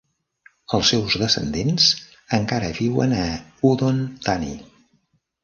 Els seus descendents encara viuen a Udon Thani.